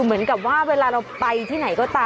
เหมือนกับว่าเวลาเราไปที่ไหนก็ตาม